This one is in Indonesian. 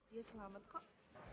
dia selamat kok